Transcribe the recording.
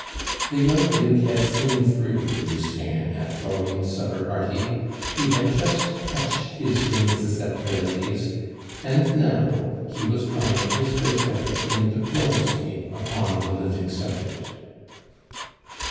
The young Duke had seen through Lucien at Florine's supper party; he had just touched his vain susceptibilities; and now he was trying his first efforts in diplomacy upon the living subject.